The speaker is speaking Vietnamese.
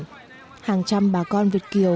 hàng trăm bà con việt kiều